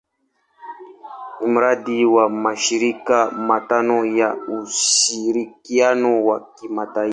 Ni mradi wa mashirika matano ya ushirikiano wa kimataifa.